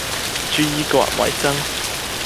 注意個人衛生